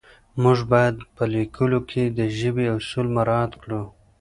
موږ باید په لیکلو کې د ژبې اصول مراعت کړو